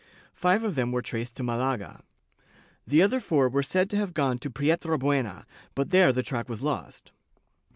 Five of them were traced to Malaga; the other four were said to have gone to Pietrabuena, but there the track was lost.